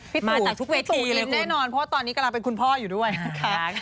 พี่ถูกอินแน่นอนเพราะว่าตอนนี้กำลังเป็นคุณพ่ออยู่ด้วยนะคะ